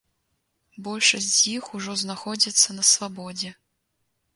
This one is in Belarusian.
Большасць з іх ужо знаходзяцца на свабодзе.